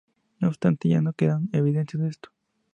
No obstante, ya no quedan evidencias de esto.